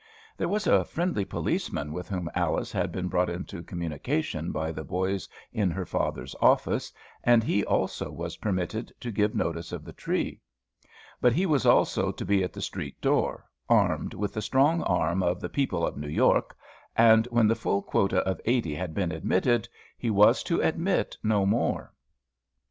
There was a friendly policeman with whom Alice had been brought into communication by the boys in her father's office, and he also was permitted to give notice of the tree. But he was also to be at the street door, armed with the strong arm of "The People of New York," and when the full quota of eighty had been admitted he was to admit no more.